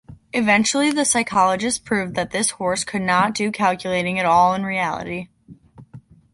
Eventually the psychologists proved that this horse could not do calculating at all in reality.